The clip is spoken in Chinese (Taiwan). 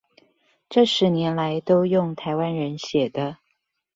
這十年來都用台灣人寫的